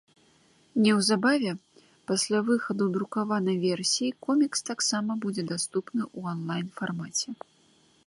Неўзабаве пасля выхаду друкаванай версіі комікс таксама будзе даступны ў анлайн-фармаце.